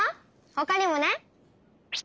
ほかにもね